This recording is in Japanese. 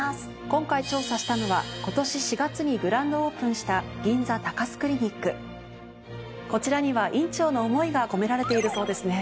今回調査したのは今年４月にグランドオープンしたこちらには院長の思いが込められているそうですね。